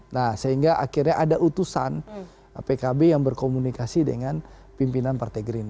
nah sehingga akhirnya ada utusan pkb yang berkomunikasi dengan pimpinan partai gerindra